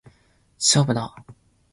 勝負だー！